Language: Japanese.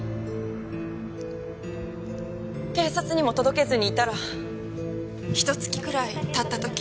警察にも届けずにいたらひと月くらい経った時。